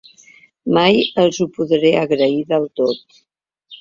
Mai els ho podré agrair del tot.